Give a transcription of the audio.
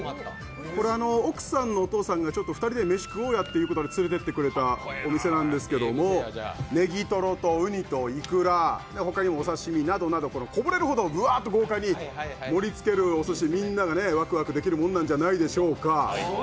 奥さんのお父さんが２人で飯食おうやということで連れてい行ってくれたお店なんですけど、ネギトロとウニとイクラ、他にもお刺身とかこぼれるほどぶぁっと豪快に盛り付けるおすし、みんながワクワクできるものなんじゃないでしょうか。